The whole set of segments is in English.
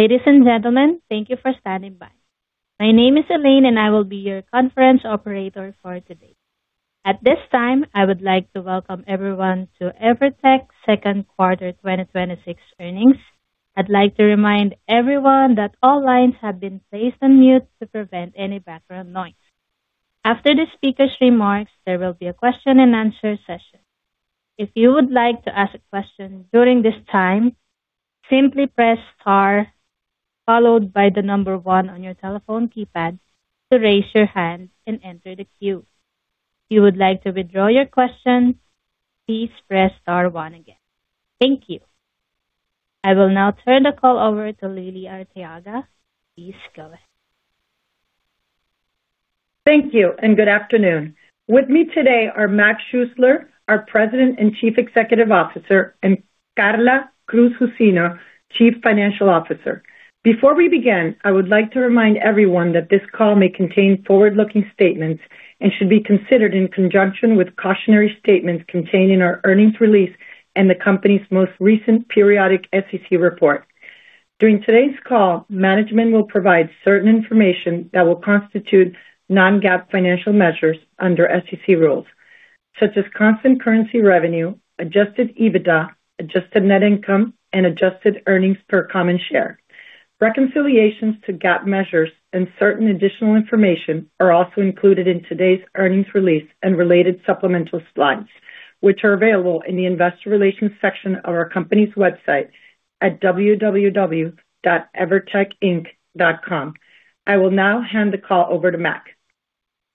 Ladies and gentlemen, thank you for standing by. My name is Elaine, and I will be your conference operator for today. At this time, I would like to welcome everyone to EVERTEC's second quarter 2026 earnings. I'd like to remind everyone that all lines have been placed on mute to prevent any background noise. After the speaker's remarks, there will be a question and answer session. If you would like to ask a question during this time, simply press star followed by one on your telephone keypad to raise your hand and enter the queue. If you would like to withdraw your question, please press star one again. Thank you. I will now turn the call over to Lily Arteaga. Please go ahead. Thank you. Good afternoon. With me today are Mac Schuessler, our President and Chief Executive Officer, and Karla Cruz-Jusino, Chief Financial Officer. Before we begin, I would like to remind everyone that this call may contain forward-looking statements and should be considered in conjunction with cautionary statements contained in our earnings release and the company's most recent periodic SEC report. During today's call, management will provide certain information that will constitute non-GAAP financial measures under SEC rules, such as constant currency revenue, adjusted EBITDA, adjusted net income, and adjusted earnings per common share. Reconciliations to GAAP measures and certain additional information are also included in today's earnings release and related supplemental slides, which are available in the investor relations section of our company's website at www.evertecinc.com. I will now hand the call over to Mac.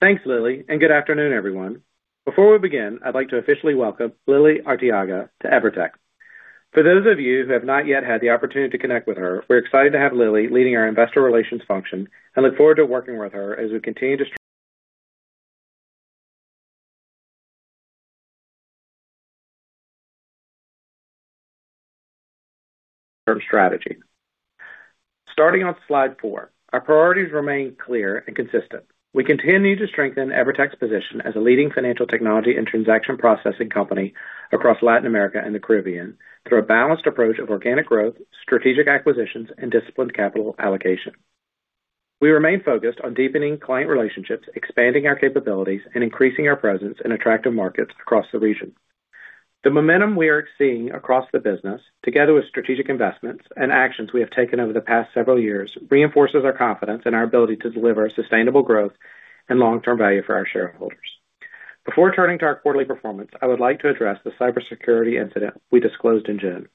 Thanks, Lily. Good afternoon, everyone. Before we begin, I'd like to officially welcome Lily Arteaga to EVERTEC. For those of you who have not yet had the opportunity to connect with her, we're excited to have Lily leading our investor relations function and look forward to working with her as a contagious term strategy. Starting on slide four, our priorities remain clear and consistent. We continue to strengthen EVERTEC's position as a leading financial technology and transaction processing company across Latin America and the Caribbean through a balanced approach of organic growth, strategic acquisitions, and disciplined capital allocation. We remain focused on deepening client relationships, expanding our capabilities, and increasing our presence in attractive markets across the region. The momentum we are seeing across the business, together with strategic investments and actions we have taken over the past several years, reinforces our confidence in our ability to deliver sustainable growth and long-term value for our shareholders. Before turning to our quarterly performance, I would like to address the cybersecurity incident we disclosed in June.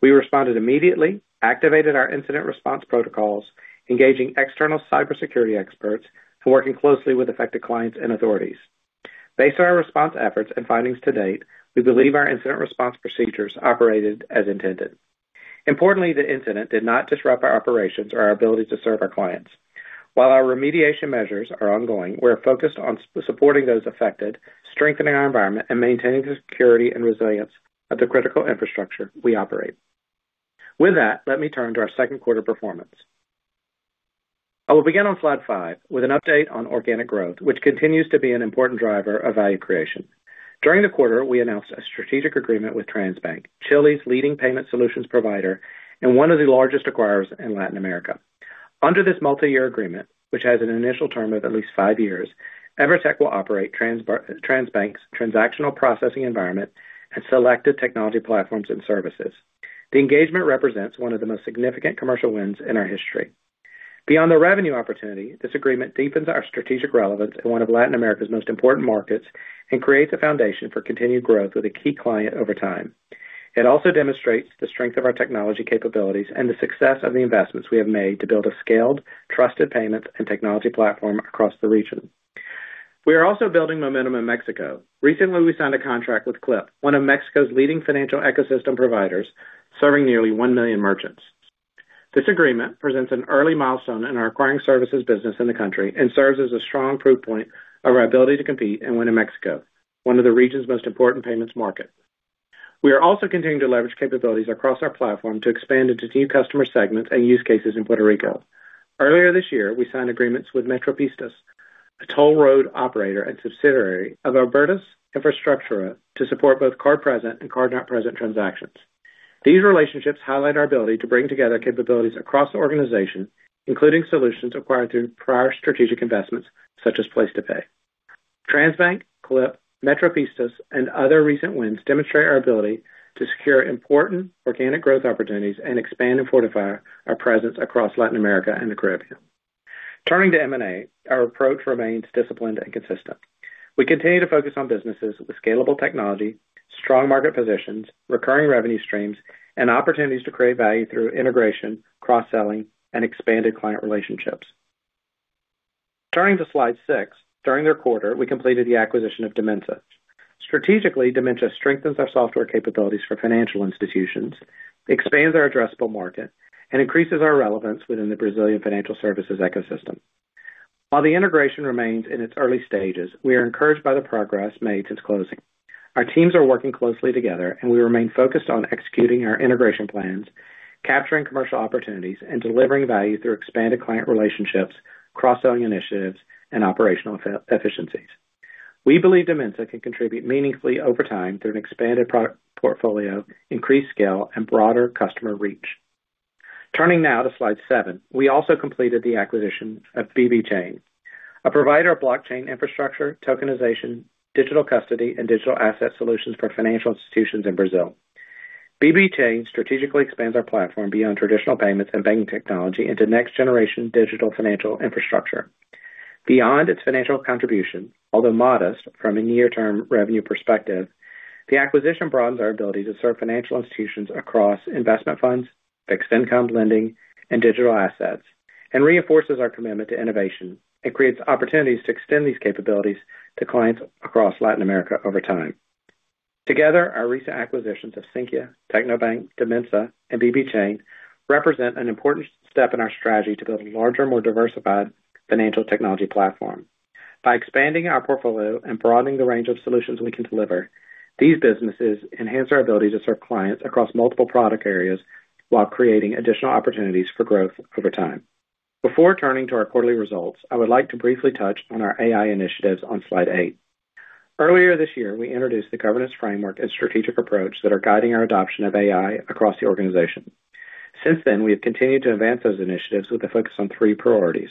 We responded immediately, activated our incident response protocols, engaging external cybersecurity experts, and working closely with affected clients and authorities. Based on our response efforts and findings to date, we believe our incident response procedures operated as intended. Importantly, the incident did not disrupt our operations or our ability to serve our clients. While our remediation measures are ongoing, we are focused on supporting those affected, strengthening our environment, and maintaining the security and resilience of the critical infrastructure we operate. With that, let me turn to our second quarter performance. I will begin on slide five with an update on organic growth, which continues to be an important driver of value creation. During the quarter, we announced a strategic agreement with Transbank, Chile's leading payment solutions provider and one of the largest acquirers in Latin America. Under this multi-year agreement, which has an initial term of at least five years, EVERTEC will operate Transbank's transactional processing environment and selected technology platforms and services. The engagement represents one of the most significant commercial wins in our history. Beyond the revenue opportunity, this agreement deepens our strategic relevance in one of Latin America's most important markets and creates a foundation for continued growth with a key client over time. It also demonstrates the strength of our technology capabilities and the success of the investments we have made to build a scaled, trusted payment and technology platform across the region. We are also building momentum in Mexico. Recently, we signed a contract with Clip, one of Mexico's leading financial ecosystem providers, serving nearly one million merchants. This agreement presents an early milestone in our acquiring services business in the country and serves as a strong proof point of our ability to compete and win in Mexico, one of the region's most important payments market. We are also continuing to leverage capabilities across our platform to expand into new customer segments and use cases in Puerto Rico. Earlier this year, we signed agreements with Metropistas, a toll road operator and subsidiary of Abertis Infrastructure, to support both card present and card not present transactions. These relationships highlight our ability to bring together capabilities across the organization, including solutions acquired through prior strategic investments such as PlacetoPay. Transbank, Clip, Metropistas, and other recent wins demonstrate our ability to secure important organic growth opportunities and expand and fortify our presence across Latin America and the Caribbean. Turning to M&A, our approach remains disciplined and consistent. We continue to focus on businesses with scalable technology, strong market positions, recurring revenue streams, and opportunities to create value through integration, cross-selling, and expanded client relationships. Turning to slide six, during the quarter, we completed the acquisition of Dimensa. Strategically, Dimensa strengthens our software capabilities for financial institutions, expands our addressable market, and increases our relevance within the Brazilian financial services ecosystem. While the integration remains in its early stages, we are encouraged by the progress made since closing. Our teams are working closely together, and we remain focused on executing our integration plans, capturing commercial opportunities, and delivering value through expanded client relationships, cross-selling initiatives, and operational efficiencies. We believe Dimensa can contribute meaningfully over time through an expanded product portfolio, increased scale, and broader customer reach. Turning now to slide seven. We also completed the acquisition of BBChain, a provider of blockchain infrastructure, tokenization, digital custody, and digital asset solutions for financial institutions in Brazil. BBChain strategically expands our platform beyond traditional payments and banking technology into next-generation digital financial infrastructure. Beyond its financial contribution, although modest from a near-term revenue perspective, the acquisition broadens our ability to serve financial institutions across investment funds, fixed income lending, and digital assets, and reinforces our commitment to innovation and creates opportunities to extend these capabilities to clients across Latin America over time. Together, our recent acquisitions of Sinqia, Tecnobank, Dimensa, and BBChain represent an important step in our strategy to build a larger, more diversified financial technology platform. By expanding our portfolio and broadening the range of solutions we can deliver, these businesses enhance our ability to serve clients across multiple product areas while creating additional opportunities for growth over time. Before turning to our quarterly results, I would like to briefly touch on our AI initiatives on Slide eight. Earlier this year, we introduced the governance framework and strategic approach that are guiding our adoption of AI across the organization. Since then, we have continued to advance those initiatives with a focus on three priorities: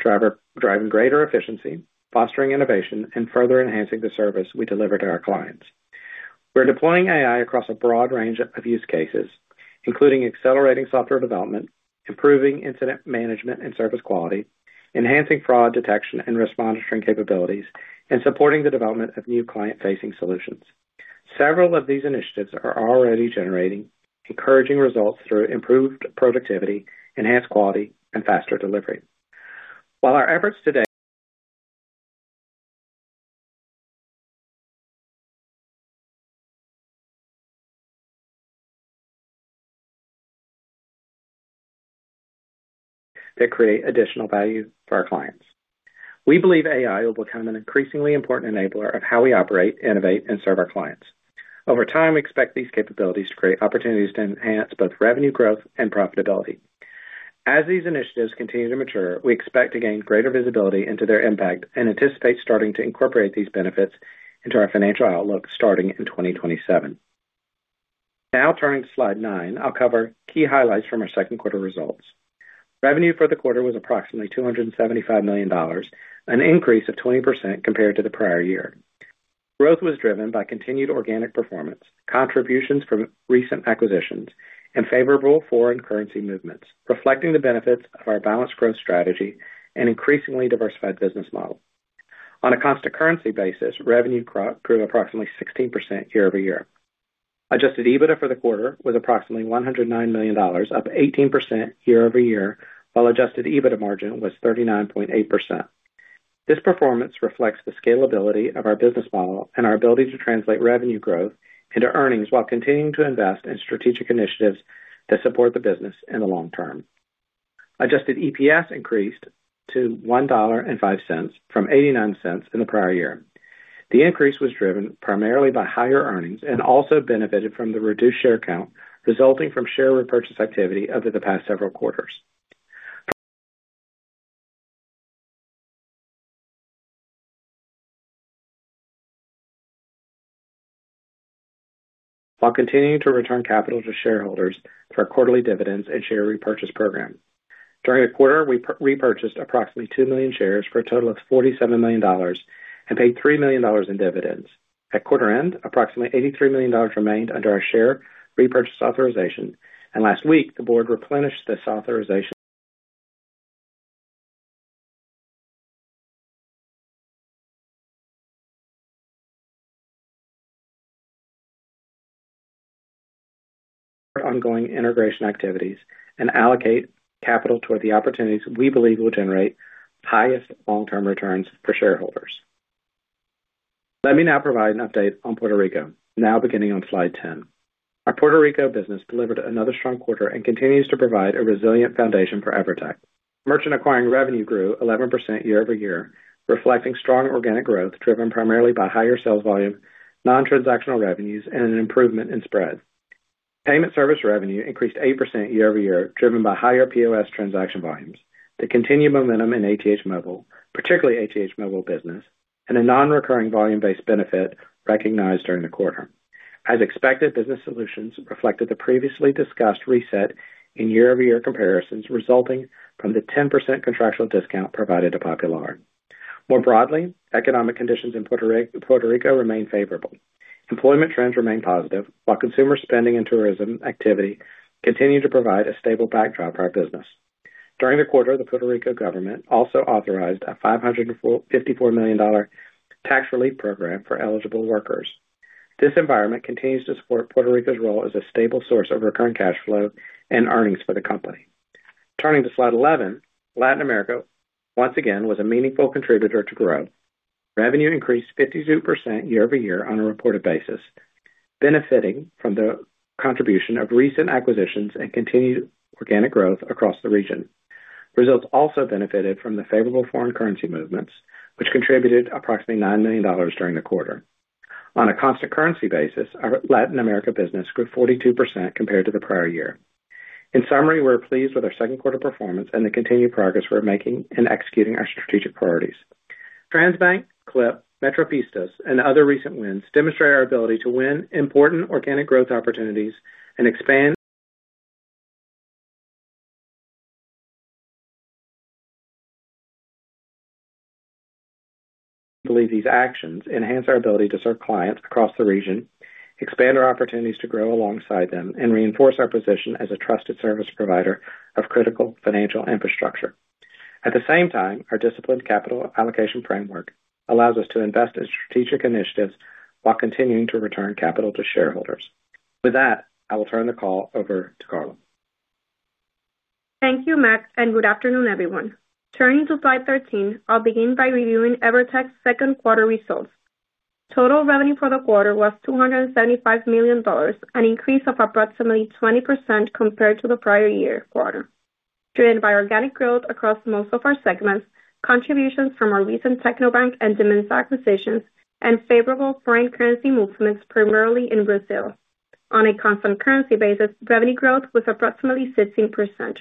driving greater efficiency, fostering innovation, and further enhancing the service we deliver to our clients. We're deploying AI across a broad range of use cases, including accelerating software development, improving incident management and service quality, enhancing fraud detection and risk monitoring capabilities, and supporting the development of new client-facing solutions. Several of these initiatives are already generating encouraging results through improved productivity, enhanced quality, and faster delivery. They create additional value for our clients. We believe AI will become an increasingly important enabler of how we operate, innovate, and serve our clients. Over time, we expect these capabilities to create opportunities to enhance both revenue growth and profitability. As these initiatives continue to mature, we expect to gain greater visibility into their impact and anticipate starting to incorporate these benefits into our financial outlook starting in 2027. Now turning to Slide nine, I'll cover key highlights from our second quarter results. Revenue for the quarter was approximately $275 million, an increase of 20% compared to the prior year. Growth was driven by continued organic performance, contributions from recent acquisitions, and favorable foreign currency movements, reflecting the benefits of our balanced growth strategy and increasingly diversified business model. On a constant currency basis, revenue grew approximately 16% year-over-year. Adjusted EBITDA for the quarter was approximately $109 million, up 18% year-over-year, while adjusted EBITDA margin was 39.8%. This performance reflects the scalability of our business model and our ability to translate revenue growth into earnings while continuing to invest in strategic initiatives that support the business in the long term. Adjusted EPS increased to $1.05 from $0.89 in the prior year. The increase was driven primarily by higher earnings and also benefited from the reduced share count resulting from share repurchase activity over the past several quarters. Will continue to return capital to shareholders through quarterly dividends and share repurchase program. During the quarter, we repurchased approximately 2 million shares for a total of $47 million and paid $3 million in dividends. At quarter end, approximately $83 million remained under our share repurchase authorization and last week the board replenished this authorization. Ongoing integration activities and allocate capital towards the opportunities we believe will generate highest long term returns for shareholders. Let me now provide an update on Puerto Rico, now beginning on slide 10. Our Puerto Rico business delivered another strong quarter and continues to provide a resilient foundation for EVERTEC. Merchant Acquiring revenue grew 11% year-over-year, reflecting strong organic growth driven primarily by higher sales volume, non-transactional revenues, and an improvement in spread. Payment Service revenue increased 8% year-over-year, driven by higher POS transaction volumes, the continued momentum in ATH Móvil, particularly ATH Móvil Business, and a non-recurring volume-based benefit recognized during the quarter. As expected, Business Solutions reflected the previously discussed reset in year-over-year comparisons resulting from the 10% contractual discount provided to Popular. More broadly, economic conditions in Puerto Rico remain favorable. Employment trends remain positive, while consumer spending and tourism activity continue to provide a stable backdrop for our business. During the quarter, the Puerto Rico government also authorized a $554 million tax relief program for eligible workers. This environment continues to support Puerto Rico's role as a stable source of recurring cash flow and earnings for the company. Turning to slide 11. Latin America, once again, was a meaningful contributor to growth. Revenue increased 52% year-over-year on a reported basis, benefiting from the contribution of recent acquisitions and continued organic growth across the region. Results also benefited from the favorable foreign currency movements, which contributed approximately $9 million during the quarter. On a constant currency basis, our Latin America business grew 42% compared to the prior year. In summary, we're pleased with our second quarter performance and the continued progress we're making in executing our strategic priorities. Transbank, Clip, Metropistas, and other recent wins demonstrate our ability to win important organic growth opportunities and expand. We believe these actions enhance our ability to serve clients across the region, expand our opportunities to grow alongside them, and reinforce our position as a trusted service provider of critical financial infrastructure. At the same time, our disciplined capital allocation framework allows us to invest in strategic initiatives while continuing to return capital to shareholders. With that, I will turn the call over to Karla. Thank you, Mac, and good afternoon, everyone. Turning to slide 13, I'll begin by reviewing EVERTEC's second quarter results. Total revenue for the quarter was $275 million, an increase of approximately 20% compared to the prior year quarter, driven by organic growth across most of our segments, contributions from our recent Tecnobank and Dimensa acquisitions, and favorable foreign currency movements, primarily in Brazil. On a constant currency basis, revenue growth was approximately 16%.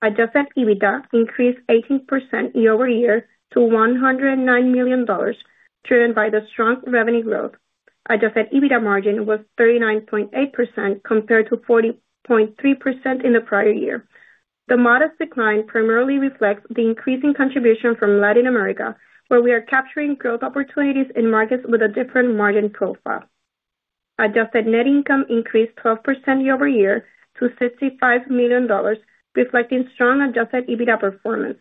Adjusted EBITDA increased 18% year-over-year to $109 million, driven by the strong revenue growth. Adjusted EBITDA margin was 39.8% compared to 40.3% in the prior year. The modest decline primarily reflects the increasing contribution from Latin America, where we are capturing growth opportunities in markets with a different margin profile. Adjusted net income increased 12% year-over-year to $55 million, reflecting strong Adjusted EBITDA performance.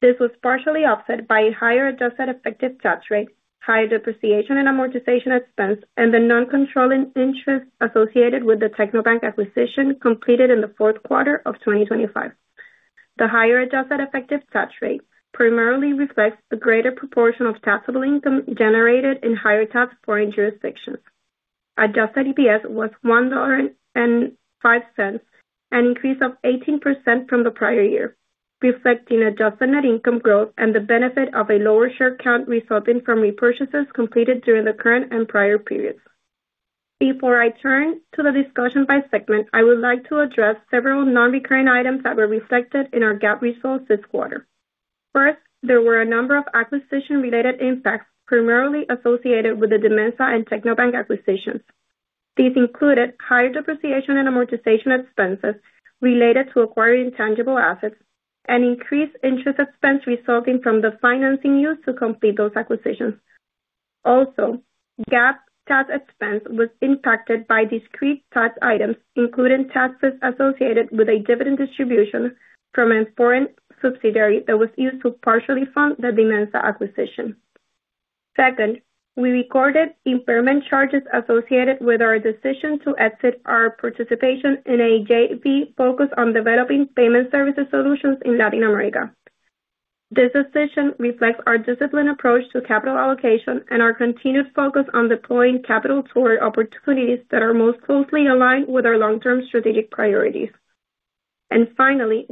This was partially offset by higher adjusted effective tax rate, higher depreciation and amortization expense, and the non-controlling interest associated with the Tecnobank acquisition completed in the fourth quarter of 2025. The higher adjusted effective tax rate primarily reflects the greater proportion of taxable income generated in higher tax foreign jurisdictions. Adjusted EPS was $1.05, an increase of 18% from the prior year, reflecting adjusted net income growth and the benefit of a lower share count resulting from repurchases completed during the current and prior periods. Before I turn to the discussion by segment, I would like to address several non-recurring items that were reflected in our GAAP results this quarter. First, there were a number of acquisition-related impacts primarily associated with the Dimensa and Tecnobank acquisitions. These included higher depreciation and amortization expenses related to acquiring tangible assets and increased interest expense resulting from the financing used to complete those acquisitions. Also, GAAP tax expense was impacted by discrete tax items, including taxes associated with a dividend distribution from a foreign subsidiary that was used to partially fund the Dimensa acquisition. Second, we recorded impairment charges associated with our decision to exit our participation in a JV focused on developing payment services solutions in Latin America. This decision reflects our disciplined approach to capital allocation and our continued focus on deploying capital toward opportunities that are most closely aligned with our long-term strategic priorities. Finally,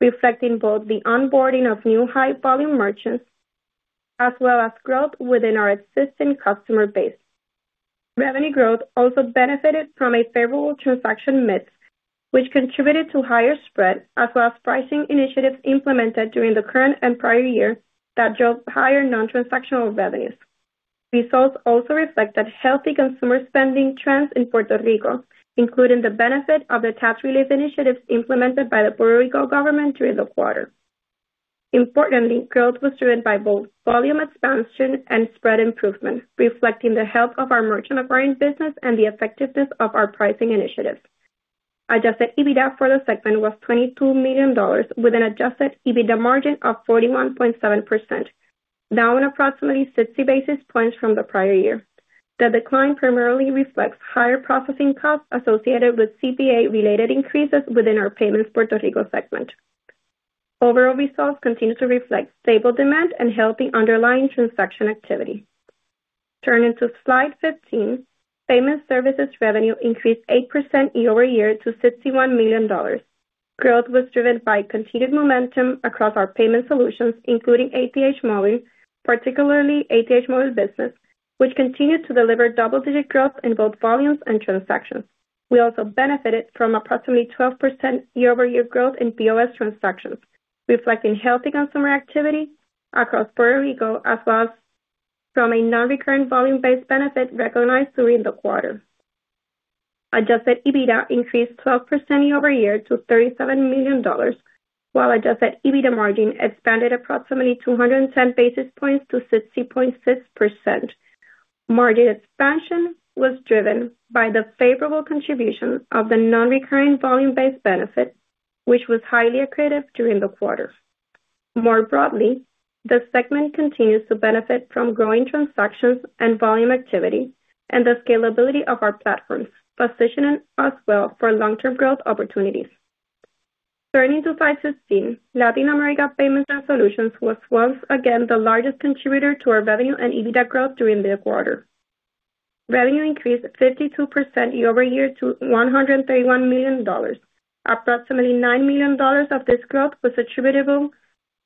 reflecting both the onboarding of new high-volume merchants as well as growth within our existing customer base. Revenue growth also benefited from a favorable transaction mix, which contributed to higher spread, as well as pricing initiatives implemented during the current and prior year that drove higher non-transactional revenues. Results also reflect healthy consumer spending trends in Puerto Rico, including the benefit of the tax relief initiatives implemented by the Puerto Rico government during the quarter. Importantly, growth was driven by both volume expansion and spread improvements, reflecting the health of our merchant acquiring business and the effectiveness of our pricing initiatives. Adjusted EBITDA for the segment was $22 million, with an adjusted EBITDA margin of 41.7%, down approximately 60 basis points from the prior year. The decline primarily reflects higher processing costs associated with CPA-related increases within our payments Puerto Rico segment. Overall results continue to reflect stable demand and healthy underlying transaction activity. Turning to slide 15, payment services revenue increased 8% year-over-year to $61 million. Growth was driven by continued momentum across our payment solutions, including ATH Móvil, particularly ATH Móvil Business, which continued to deliver double-digit growth in both volumes and transactions. We also benefited from approximately 12% year-over-year growth in POS transactions, reflecting healthy consumer activity across Puerto Rico as well as from a non-recurring volume-based benefit recognized during the quarter. Adjusted EBITDA increased 12% year-over-year to $37 million, while adjusted EBITDA margin expanded approximately 210 basis points to 60.6%. Margin expansion was driven by the favorable contribution of the non-recurring volume-based benefit, which was highly accretive during the quarter. More broadly, the segment continues to benefit from growing transactions and volume activity and the scalability of our platforms, positioning us well for long-term growth opportunities. Turning to slide 15, Latin America Payments & Solutions was once again the largest contributor to our revenue and EBITDA growth during the quarter. Revenue increased 52% year-over-year to $131 million. Approximately $9 million of this growth was attributable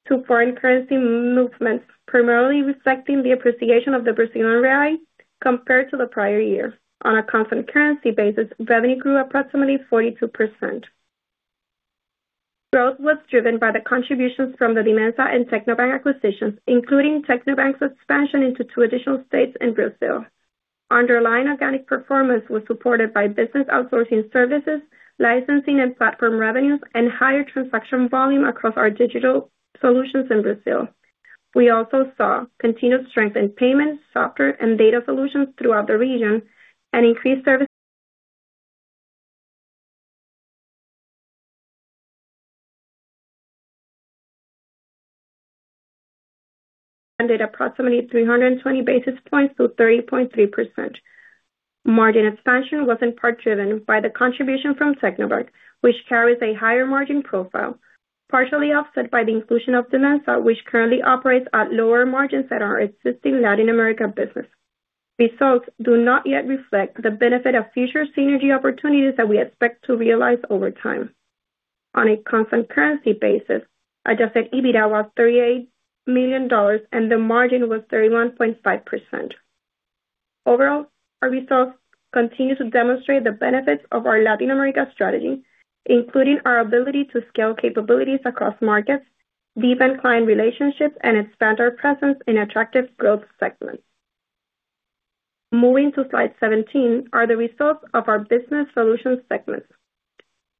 to foreign currency movements, primarily reflecting the appreciation of the Brazilian real compared to the prior year. On a constant currency basis, revenue grew approximately 42%. Growth was driven by the contributions from the Dimensa and Tecnobank acquisitions, including Tecnobank's expansion into two additional states in Brazil. Underlying organic performance was supported by business outsourcing services, licensing and platform revenues, and higher transaction volume across our digital solutions in Brazil. We also saw continued strength in payments, software, and data solutions throughout the region and service expanded approximately 320 basis points to 30.3%. Margin expansion was in part driven by the contribution from Tecnobank, which carries a higher margin profile, partially offset by the inclusion of Dimensa, which currently operates at lower margins than our existing Latin America business. Results do not yet reflect the benefit of future synergy opportunities that we expect to realize over time. On a constant currency basis, adjusted EBITDA was $38 million, and the margin was 31.5%. Overall, our results continue to demonstrate the benefits of our Latin America strategy, including our ability to scale capabilities across markets, deepen client relationships, and expand our presence in attractive growth segments. Moving to slide 17 are the results of our Business Solutions segment.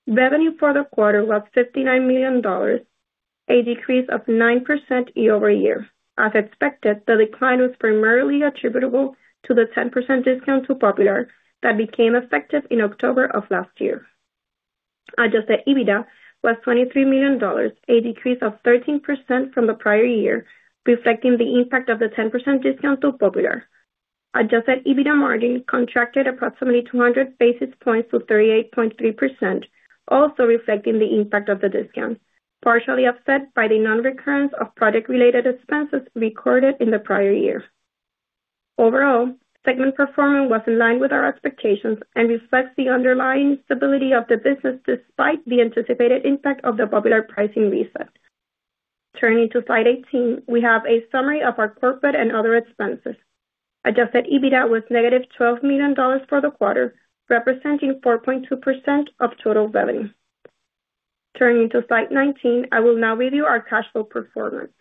Revenue for the quarter was $59 million, a decrease of 9% year-over-year. As expected, the decline was primarily attributable to the 10% discount to Popular that became effective in October of last year. Adjusted EBITDA was $23 million, a decrease of 13% from the prior year, reflecting the impact of the 10% discount to Popular. Adjusted EBITDA margin contracted approximately 200 basis points to 38.3%, also reflecting the impact of the discount, partially offset by the non-recurrence of product-related expenses recorded in the prior year. Overall, segment performance was in line with our expectations and reflects the underlying stability of the business despite the anticipated impact of the Popular pricing reset. Turning to slide 18, we have a summary of our corporate and other expenses. Adjusted EBITDA was negative $12 million for the quarter, representing 4.2% of total revenue. Turning to slide 19, I will now review our cash flow performance.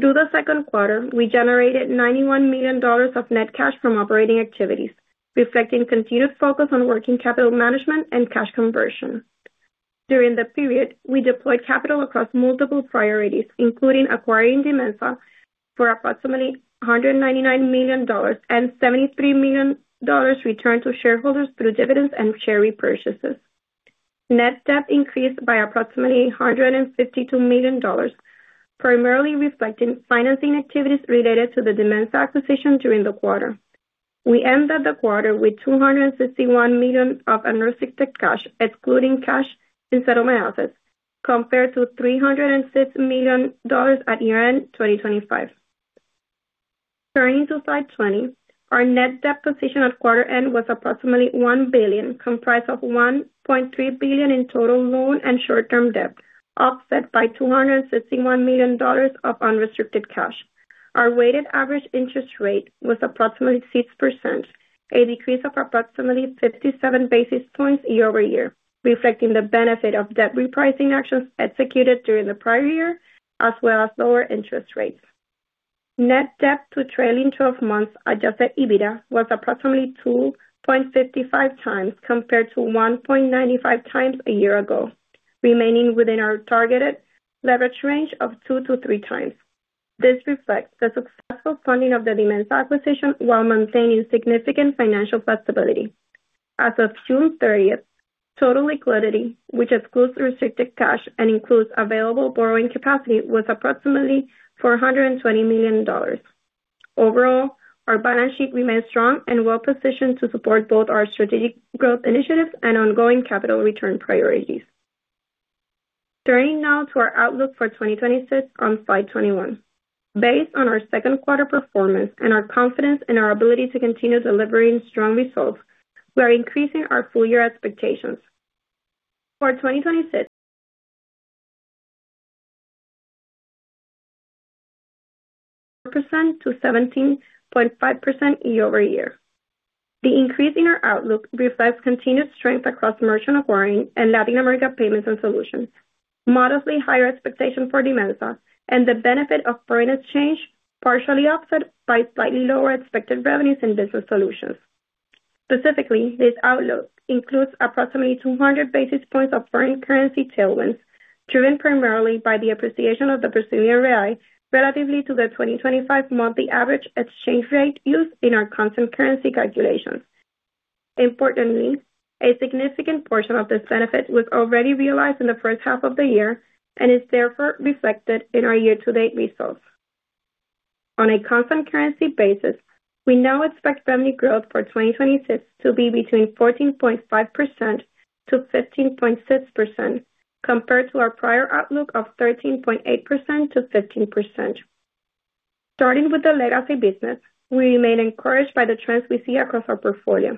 Through the second quarter, we generated $91 million of net cash from operating activities, reflecting continued focus on working capital management and cash conversion. During the period, we deployed capital across multiple priorities, including acquiring Dimensa for approximately $199 million and $73 million returned to shareholders through dividends and share repurchases. Net debt increased by approximately $152 million, primarily reflecting financing activities related to the Dimensa acquisition during the quarter. We ended the quarter with $261 million of unrestricted cash, excluding cash in settlement assets, compared to $306 million at year-end 2025. Turning to slide 20, our net debt position at quarter end was approximately $1 billion, comprised of $1.3 billion in total loan and short-term debt, offset by $261 million of unrestricted cash. Our weighted average interest rate was approximately 6%, a decrease of approximately 57 basis points year-over-year, reflecting the benefit of debt repricing actions executed during the prior year, as well as lower interest rates. Net debt to trailing 12 month adjusted EBITDA was approximately 2.55x, compared to 1.95x a year ago, remaining within our targeted leverage range of 2x-3x. This reflects the successful funding of the Dimensa acquisition while maintaining significant financial flexibility. As of June 30th, total liquidity, which excludes restricted cash and includes available borrowing capacity, was approximately $420 million. Overall, our balance sheet remains strong and well-positioned to support both our strategic growth initiatives and ongoing capital return priorities. Turning now to our outlook for 2026 on slide 21. Based on our second quarter performance and our confidence in our ability to continue delivering strong results, we are increasing our full-year expectations. For 2026, to 17.5% year-over-year. The increase in our outlook reflects continued strength across Merchant Acquiring and Latin America Payments & Solutions, modestly higher expectations for Dimensa, and the benefit of foreign exchange, partially offset by slightly lower expected revenues in Business Solutions. Specifically, this outlook includes approximately 200 basis points of foreign currency tailwinds, driven primarily by the appreciation of the Brazilian real relatively to the 2025 monthly average exchange rate used in our constant currency calculations. Importantly, a significant portion of this benefit was already realized in the first half of the year and is therefore reflected in our year-to-date results. On a constant currency basis, we now expect revenue growth for 2026 to be between 14.5%-15.6%, compared to our prior outlook of 13.8%-15%. Starting with the legacy business, we remain encouraged by the trends we see across our portfolio.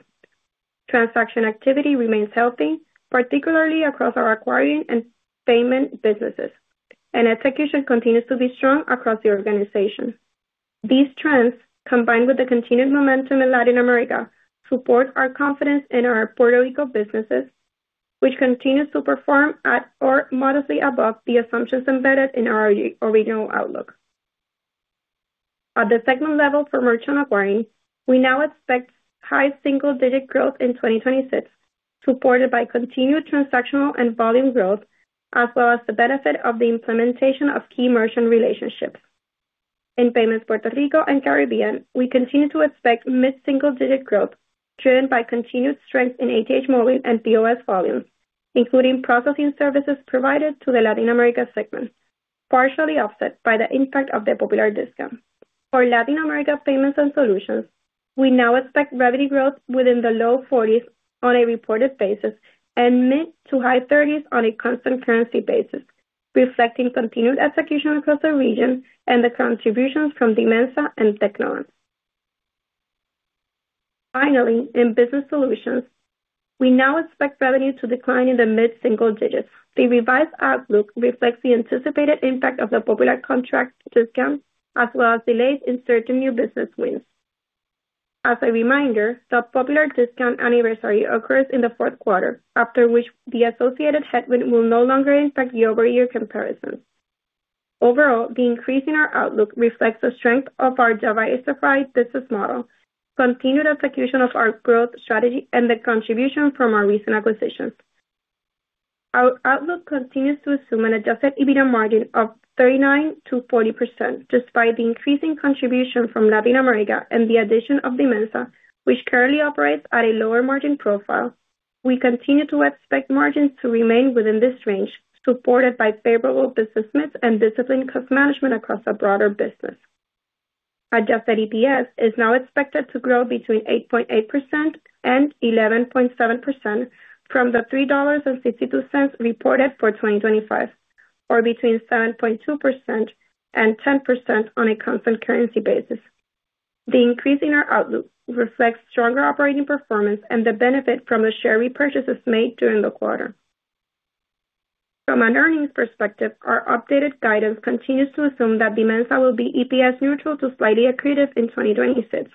Transaction activity remains healthy, particularly across our acquiring and payment businesses, and execution continues to be strong across the organization. These trends, combined with the continued momentum in Latin America, support our confidence in our Puerto Rico businesses, which continue to perform at or modestly above the assumptions embedded in our original outlook. At the segment level for Merchant Acquiring, we now expect high single-digit growth in 2026, supported by continued transactional and volume growth, as well as the benefit of the implementation of key merchant relationships. In Payments Puerto Rico and Caribbean, we continue to expect mid-single digit growth driven by continued strength in ATH Móvil and POS volumes, including processing services provided to the Latin America segment, partially offset by the impact of the Popular discount. For Latin America Payments & Solutions, we now expect revenue growth within the low 40% on a reported basis and mid to high 30% on a constant currency basis, reflecting continued execution across the region and the contributions from Dimensa and Tecnobank. Finally, in Business Solutions, we now expect revenue to decline in the mid-single digits. The revised outlook reflects the anticipated impact of the Popular contract discount, as well as delays in certain new business wins. As a reminder, the Popular discount anniversary occurs in the fourth quarter, after which the associated headwind will no longer impact year-over-year comparisons. Overall, the increase in our outlook reflects the strength of our diversified business model, continued execution of our growth strategy, and the contribution from our recent acquisitions. Our outlook continues to assume an adjusted EBITA margin of 39%-40%, despite the increasing contribution from Latin America and the addition of Dimensa, which currently operates at a lower margin profile. We continue to expect margins to remain within this range, supported by favorable business mix and disciplined cost management across our broader business. Adjusted EPS is now expected to grow between 8.8% and 11.7% from the $3.62 reported for 2025, or between 7.2% and 10% on a constant currency basis. The increase in our outlook reflects stronger operating performance and the benefit from the share repurchases made during the quarter. From an earnings perspective, our updated guidance continues to assume that Dimensa will be EPS neutral to slightly accretive in 2026.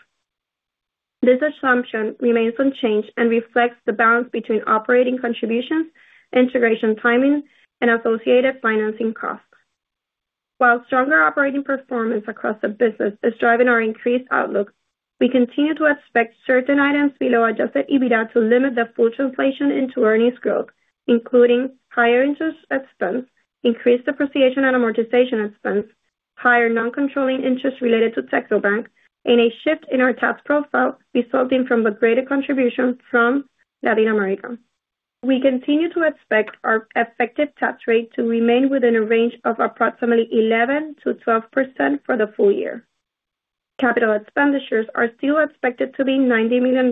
This assumption remains unchanged and reflects the balance between operating contributions, integration timing, and associated financing costs. While stronger operating performance across the business is driving our increased outlook, we continue to expect certain items below adjusted EBITA to limit the full translation into earnings growth, including higher interest expense, increased depreciation and amortization expense, higher non-controlling interest related to Tecnobank, and a shift in our tax profile resulting from the greater contribution from Latin America. We continue to expect our effective tax rate to remain within a range of approximately 11%-12% for the full-year. Capital expenditures are still expected to be $90 million.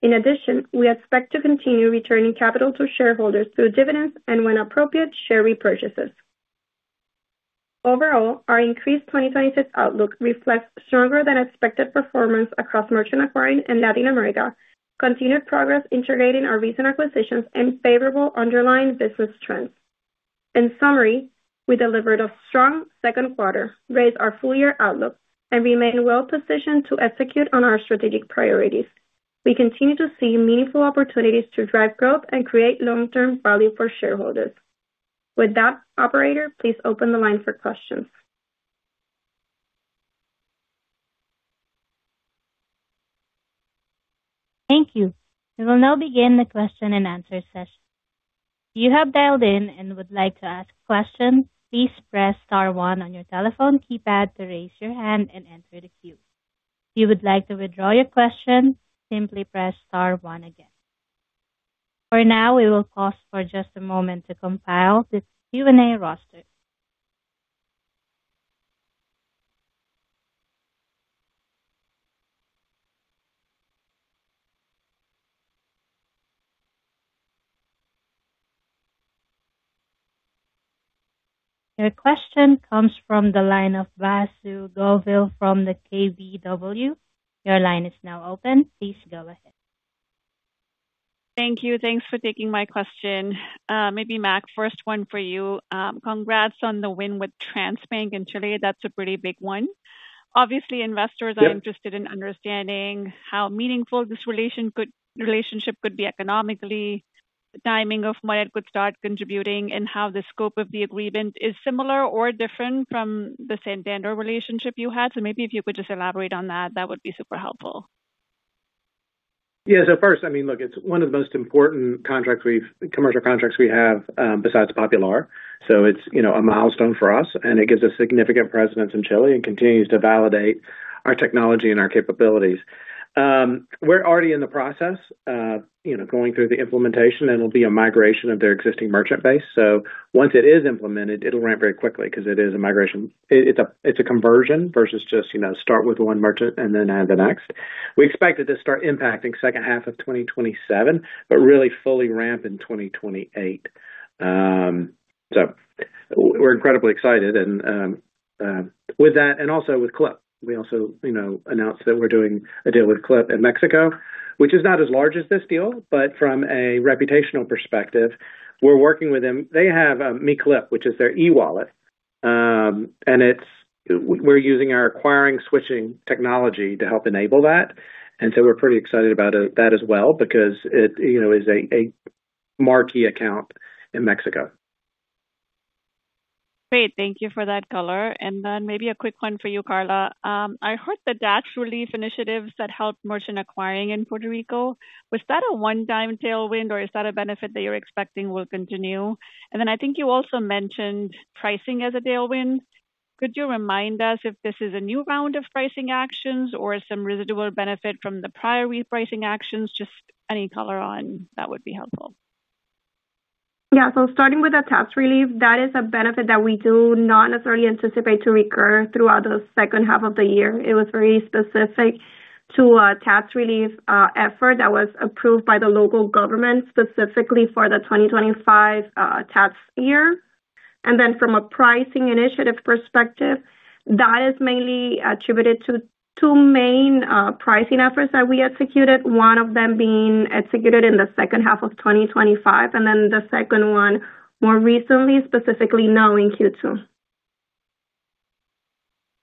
In addition, we expect to continue returning capital to shareholders through dividends and, when appropriate, share repurchases. Overall, our increased 2026 outlook reflects stronger than expected performance across Merchant Acquiring and Latin America, continued progress integrating our recent acquisitions, and favorable underlying business trends. In summary, we delivered a strong second quarter, raised our full-year outlook, and remain well-positioned to execute on our strategic priorities. We continue to see meaningful opportunities to drive growth and create long-term value for shareholders. With that, operator, please open the line for questions. Thank you. We will now begin the question and answer session. If you have dialed in and would like to ask a question, please press star one on your telephone keypad to raise your hand and enter the queue. If you would like to withdraw your question, simply press star one again. For now, we will pause for just a moment to compile this Q&A roster. Your question comes from the line of Vasu Govil from the KBW. Your line is now open. Please go ahead. Thank you. Thanks for taking my question. Mac, first one for you. Congrats on the win with Transbank in Chile. That's a pretty big one. Obviously, investors are. Yep interested in understanding how meaningful this relationship could be economically. Timing of when it could start contributing and how the scope of the agreement is similar or different from the Santander relationship you had. If you could just elaborate on that would be super helpful. Yeah. First, it's one of the most important commercial contracts we have besides Popular. It's a milestone for us, and it gives us significant presence in Chile and continues to validate our technology and our capabilities. We're already in the process of going through the implementation. It'll be a migration of their existing merchant base. Once it is implemented, it'll ramp very quickly because it is a migration. It's a conversion versus just start with one merchant and then add the next. We expect it to start impacting second half of 2027, but really fully ramp in 2028. We're incredibly excited with that and also with Clip. We also announced that we're doing a deal with Clip in Mexico, which is not as large as this deal, but from a reputational perspective, we're working with them. They have MiClip, which is their e-wallet. We're using our acquiring switching technology to help enable that. We're pretty excited about that as well because it is a marquee account in Mexico. Great. Thank you for that color. Maybe a quick one for you, Karla. I heard the tax relief initiatives that helped Merchant Acquiring in Puerto Rico. Was that a one-time tailwind or is that a benefit that you're expecting will continue? I think you also mentioned pricing as a tailwind. Could you remind us if this is a new round of pricing actions or some residual benefit from the prior repricing actions? Just any color on that would be helpful. Starting with the tax relief, that is a benefit that we do not necessarily anticipate to recur throughout the second half of the year. It was very specific to a tax relief effort that was approved by the local government specifically for the 2025 tax year. From a pricing initiative perspective, that is mainly attributed to two main pricing efforts that we executed, one of them being executed in the second half of 2025, the second one more recently, specifically now in Q2.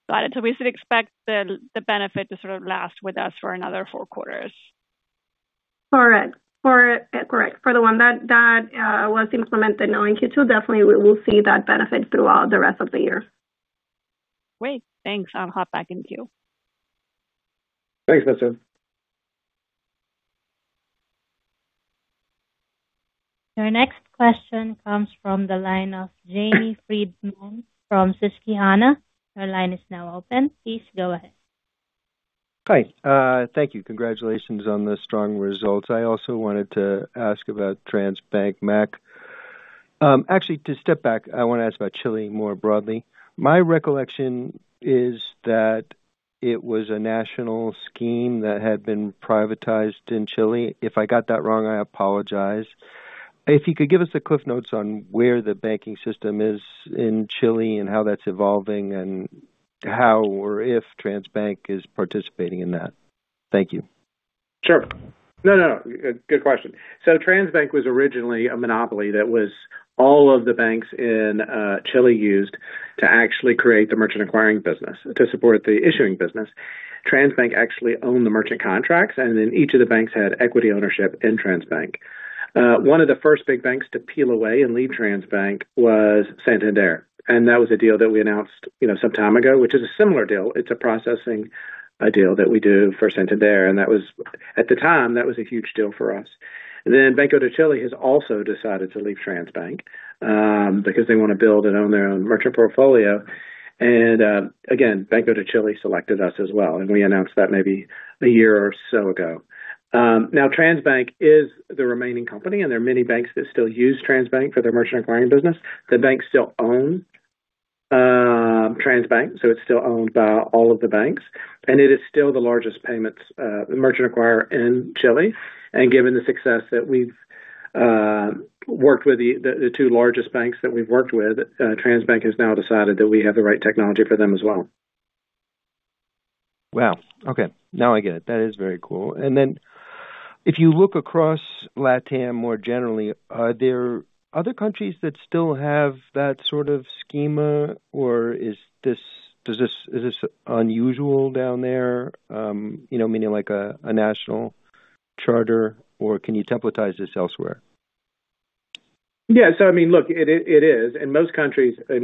Got it. We should expect the benefit to sort of last with us for another four quarters. Correct. For the one that was implemented now in Q2, definitely we will see that benefit throughout the rest of the year. Great. Thanks. I'll hop back in queue. Thanks, Vasu. Your next question comes from the line of James Friedman from Susquehanna. Your line is now open. Please go ahead. Hi. Thank you. Congratulations on the strong results. I also wanted to ask about Transbank, Mac. Actually, to step back, I want to ask about Chile more broadly. My recollection is that it was a national scheme that had been privatized in Chile. If I got that wrong, I apologize. If you could give us the CliffsNotes on where the banking system is in Chile and how that's evolving and how or if Transbank is participating in that. Thank you. Sure. No, good question. Transbank was originally a monopoly that was all of the banks in Chile used to actually create the Merchant Acquiring business to support the issuing business. Transbank actually owned the merchant contracts, and then each of the banks had equity ownership in Transbank. One of the first big banks to peel away and leave Transbank was Santander, and that was a deal that we announced some time ago, which is a similar deal. It's a processing deal that we do for Santander, and at the time, that was a huge deal for us. Banco de Chile has also decided to leave Transbank because they want to build and own their own merchant portfolio. Again, Banco de Chile selected us as well, and we announced that maybe a year or so ago. Transbank is the remaining company, and there are many banks that still use Transbank for their Merchant Acquiring business. The banks still own Transbank, it's still owned by all of the banks, and it is still the largest payments merchant acquirer in Chile. Given the success that we've worked with the two largest banks that we've worked with, Transbank has now decided that we have the right technology for them as well. Wow. Okay. I get it. That is very cool. If you look across Latam more generally, are there other countries that still have that sort of schema, or is this unusual down there, meaning like a national charter, or can you templatize this elsewhere? It is. In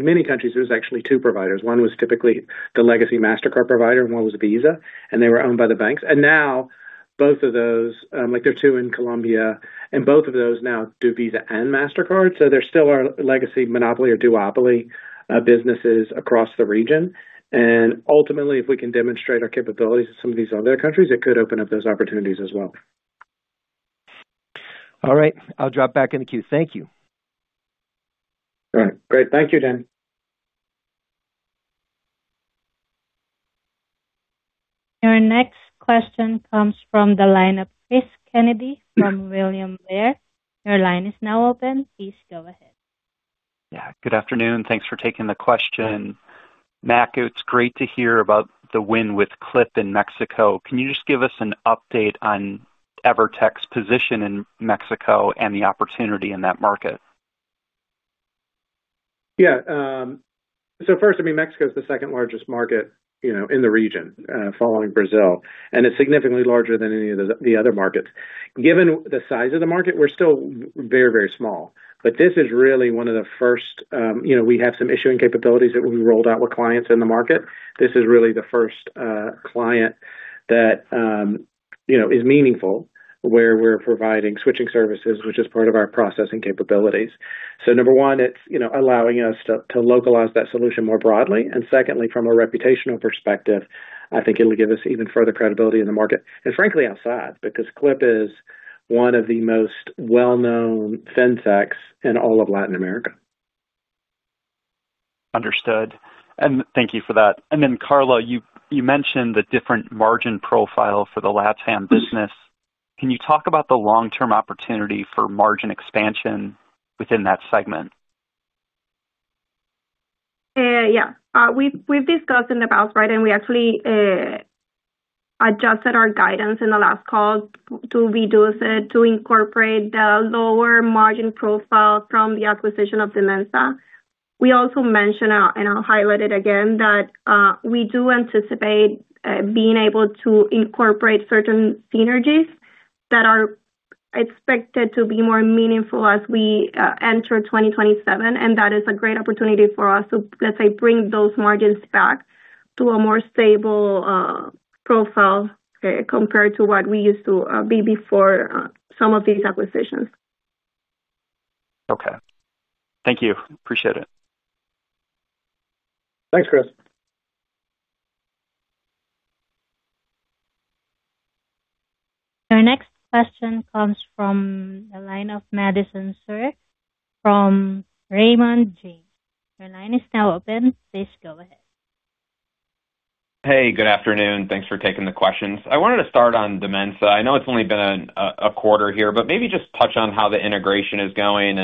many countries, there's actually two providers. One was typically the legacy Mastercard provider, and one was Visa, and they were owned by the banks. Both of those, there are two in Colombia, and both of those now do Visa and Mastercard. There still are legacy monopoly or duopoly businesses across the region. Ultimately, if we can demonstrate our capabilities to some of these other countries, it could open up those opportunities as well. All right. I'll drop back in the queue. Thank you. All right. Great. Thank you, James. Your next question comes from the line of Cris Kennedy from William Blair. Your line is now open. Please go ahead. Yeah. Good afternoon. Thanks for taking the question. Mac, it's great to hear about the win with Clip in Mexico. Can you just give us an update on EVERTEC's position in Mexico and the opportunity in that market? Yeah. First, Mexico is the second-largest market in the region following Brazil, and it's significantly larger than any of the other markets. Given the size of the market, we're still very small. This is really one of the first, we have some issuing capabilities that we rolled out with clients in the market. This is really the first client that is meaningful, where we're providing switching services, which is part of our processing capabilities. Number one, it's allowing us to localize that solution more broadly, and secondly, from a reputational perspective, I think it'll give us even further credibility in the market, and frankly, outside, because Clip is one of the most well-known fintechs in all of Latin America. Understood. Thank you for that. Karla, you mentioned the different margin profile for the LatAm business. Can you talk about the long-term opportunity for margin expansion within that segment? Yeah. We've discussed in the past, we actually adjusted our guidance in the last call to reduce it to incorporate the lower margin profile from the acquisition of Dimensa. We also mentioned, I'll highlight it again, that we do anticipate being able to incorporate certain synergies that are expected to be more meaningful as we enter 2027, That is a great opportunity for us to, let's say, bring those margins back to a more stable profile compared to what we used to be before some of these acquisitions. Okay. Thank you. Appreciate it. Thanks, Cris. Your next question comes from the line of Madison Suhr from Raymond James. Your line is now open. Please go ahead. Hey, good afternoon. Thanks for taking the questions. I wanted to start on Dimensa. I know it's only been a quarter here, but maybe just touch on how the integration is going.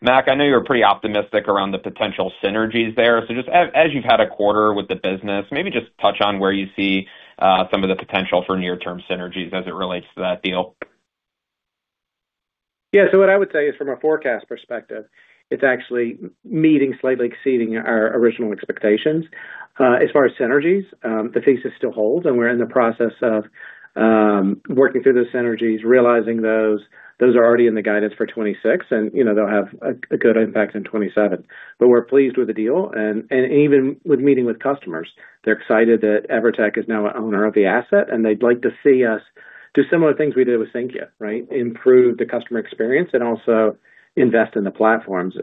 Mac, I know you're pretty optimistic around the potential synergies there. Just as you've had a quarter with the business, maybe just touch on where you see some of the potential for near-term synergies as it relates to that deal. Yeah. What I would say is from a forecast perspective, it's actually meeting, slightly exceeding our original expectations. As far as synergies, the thesis still holds, and we're in the process of working through those synergies, realizing those. Those are already in the guidance for 2026, and they'll have a good impact in 2027. We're pleased with the deal, and even with meeting with customers. They're excited that EVERTEC is now an owner of the asset, and they'd like to see us do similar things we did with Sinqia, right? Improve the customer experience and also invest in the platforms.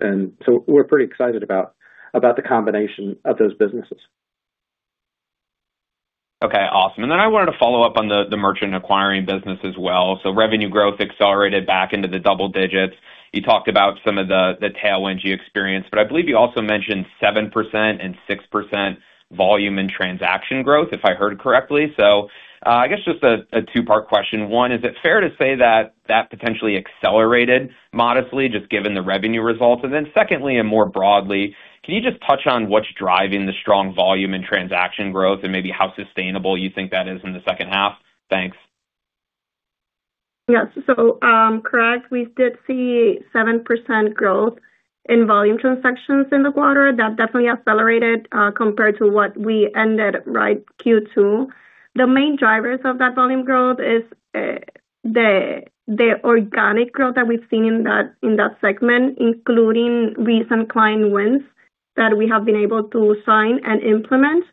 We're pretty excited about the combination of those businesses. Okay, awesome. I wanted to follow up on the Merchant Acquiring business as well. Revenue growth accelerated back into the double digits. You talked about some of the tailwinds you experienced, but I believe you also mentioned 7% and 6% volume and transaction growth, if I heard correctly. I guess just a two-part question. One, is it fair to say that potentially accelerated modestly, just given the revenue results? Secondly, and more broadly, can you just touch on what's driving the strong volume and transaction growth and maybe how sustainable you think that is in the second half? Thanks. Yes. Correct, we did see 7% growth in volume transactions in the quarter. That definitely accelerated compared to what we ended Q2. The main drivers of that volume growth is the organic growth that we've seen in that segment, including recent client wins that we have been able to sign and implement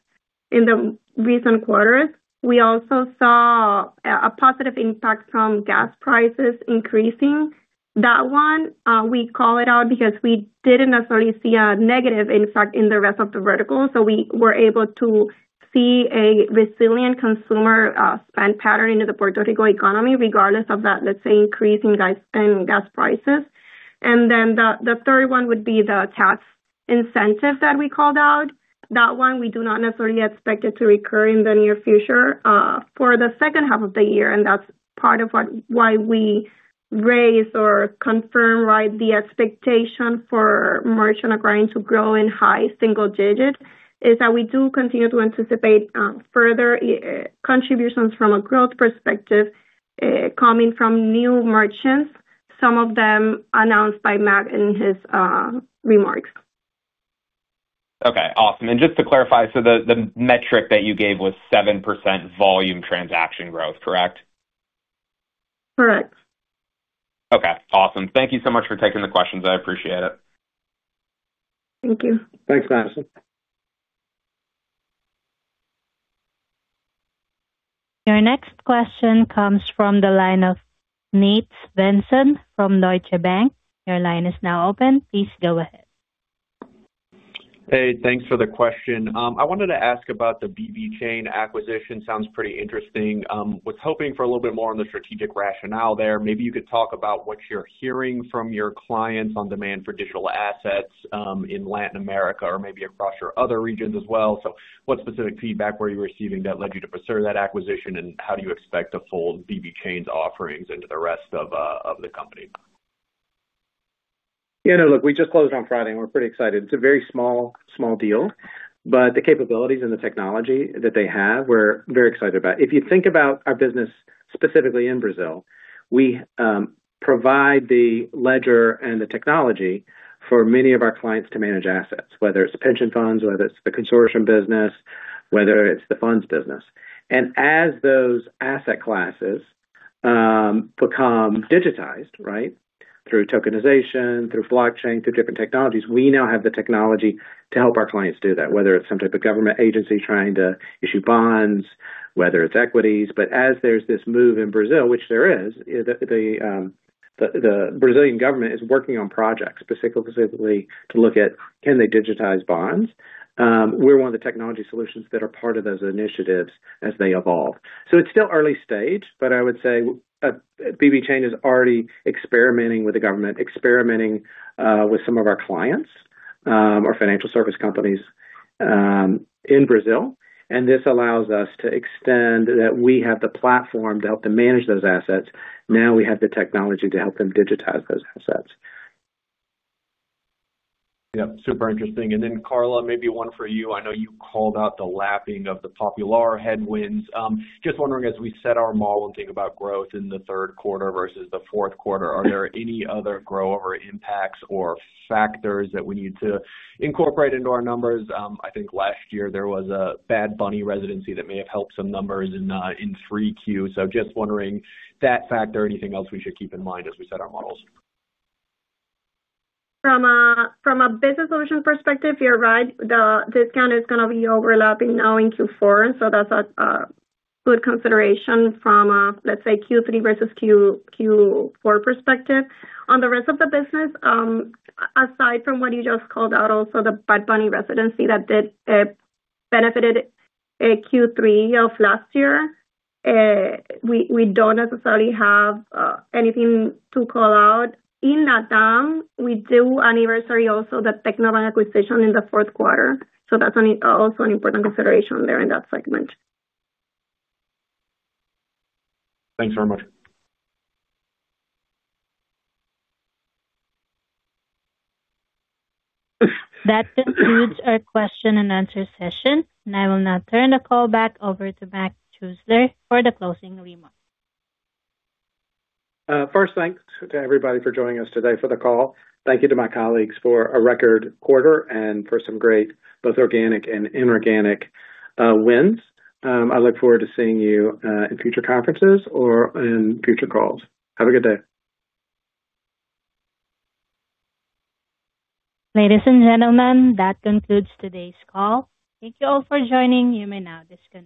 in the recent quarters. We also saw a positive impact from gas prices increasing. That one, we call it out because we didn't necessarily see a negative effect in the rest of the vertical. We were able to see a resilient consumer spend pattern into the Puerto Rico economy regardless of that, let's say, increase in gas prices. The third one would be the tax incentive that we called out. That one, we do not necessarily expect it to recur in the near future. For the second half of the year, that's part of why we raise or confirm the expectation for Merchant Acquiring to grow in high single digits, is that we do continue to anticipate further contributions from a growth perspective coming from new merchants, some of them announced by Mac in his remarks. Okay, awesome. Just to clarify, the metric that you gave was 7% volume transaction growth, correct? Correct. Okay, awesome. Thank you so much for taking the questions. I appreciate it. Thank you. Thanks, Madison. Your next question comes from the line of Nate Svensson from Deutsche Bank. Your line is now open. Please go ahead. Hey, thanks for the question. I wanted to ask about the BBChain acquisition. Sounds pretty interesting. Was hoping for a little bit more on the strategic rationale there. Maybe you could talk about what you're hearing from your clients on demand for digital assets in Latin America or maybe across your other regions as well. What specific feedback were you receiving that led you to pursue that acquisition, and how do you expect to fold BBChain's offerings into the rest of the company? Yeah, no, look, we just closed on Friday, and we're pretty excited. It's a very small deal. The capabilities and the technology that they have, we're very excited about. If you think about our business specifically in Brazil, we provide the ledger and the technology for many of our clients to manage assets, whether it's pension funds, whether it's the consortium business, whether it's the funds business. As those asset classes become digitized, through tokenization, through blockchain, through different technologies, we now have the technology to help our clients do that, whether it's some type of government agency trying to issue bonds, whether it's equities. As there's this move in Brazil, which there is, the Brazilian government is working on projects specifically to look at can they digitize bonds. We're one of the technology solutions that are part of those initiatives as they evolve. It's still early stage, but I would say BBChain is already experimenting with the government, experimenting with some of our clients, our financial service companies in Brazil. This allows us to extend that we have the platform to help them manage those assets. Now we have the technology to help them digitize those assets. Yep. Super interesting. Karla, maybe one for you. I know you called out the lapping of the Popular headwinds. Just wondering, as we set our model and think about growth in the third quarter versus the fourth quarter, are there any other grow or impacts or factors that we need to incorporate into our numbers? I think last year there was a Bad Bunny residency that may have helped some numbers in 3Q. Just wondering that factor, anything else we should keep in mind as we set our models? From a Business Solutions perspective, you're right, the discount is going to be overlapping now in Q4. That's a good consideration from a, let's say, Q3 versus Q4 perspective. On the rest of the business, aside from what you just called out also, the Bad Bunny residency that benefited Q3 of last year, we don't necessarily have anything to call out. In LATAM, we do anniversary also the Tecnobank acquisition in the fourth quarter. That's also an important consideration there in that segment. Thanks very much. That concludes our question and answer session. I will now turn the call back over to Mac Schuessler for the closing remarks. First, thanks to everybody for joining us today for the call. Thank you to my colleagues for a record quarter and for some great both organic and inorganic wins. I look forward to seeing you in future conferences or in future calls. Have a good day. Ladies and gentlemen, that concludes today's call. Thank you all for joining. You may now disconnect.